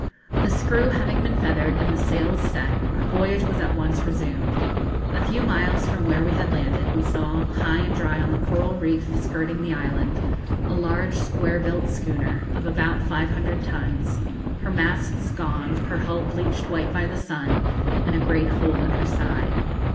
The screw having been feathered and the sails set, our voyage was at once resumed. A few miles from where we had landed, we saw, high and dry on the coral reef skirting the island, a large square built schooner, of about 500 tons, her masts gone, her hull bleached white by the sun, and a great hole in her side.